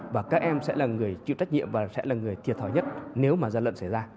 và các em sẽ là người chịu trách nhiệm và sẽ là người thiệt thòi nhất nếu mà gian lận xảy ra